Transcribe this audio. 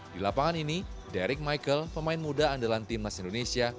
di lapangan ini derek michael pemain muda andalan tim nas indonesia